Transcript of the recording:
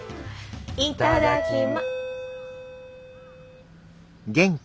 いただきま。